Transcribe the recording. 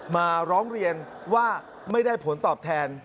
มาร้องเรียนว่าไม่ได้ผลตอบแทน